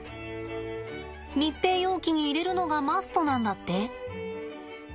密閉容器に入れるのがマストなんだって。